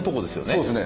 そうですね